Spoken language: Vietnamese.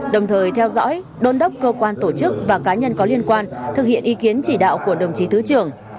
đồng thời theo dõi đôn đốc cơ quan tổ chức và cá nhân có liên quan thực hiện ý kiến chỉ đạo của đồng chí thứ trưởng